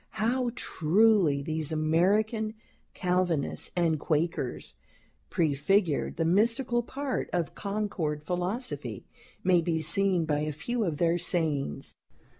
How truly these American Calvinists and Quakers prefigured the mystical part of Concord philosophy, may be seen by a few of their sayings.